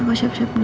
aku siap siap dulu